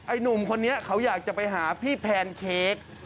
หนุ่มคนนี้เขาอยากจะไปหาพี่แพนเค้ก